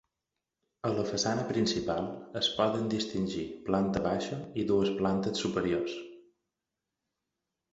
A la façana principal es poden distingir planta baixa i dues plantes superiors.